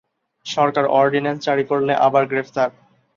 সরকার ordinance জারি করলে আবার গ্রেপ্তার।